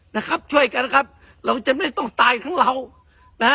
นะครับช่วยกันนะครับเราจะไม่ต้องตายทั้งเรานะฮะ